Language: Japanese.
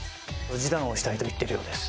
示談をしたいと言っているようです。